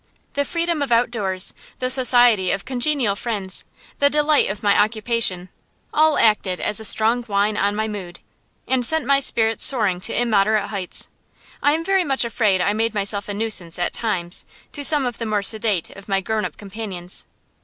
The freedom of outdoors, the society of congenial friends, the delight of my occupation all acted as a strong wine on my mood, and sent my spirits soaring to immoderate heights I am very much afraid I made myself a nuisance, at times, to some of the more sedate of my grown up companions.